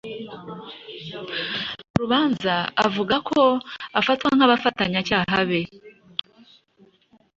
mu rubanza avuga ko abafatwa nk'abafatanyacyaha be